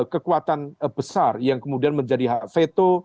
kekuatan besar yang kemudian menjadi hak veto